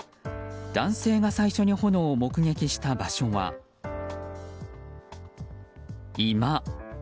男性が最初に炎を目撃した場所は居間。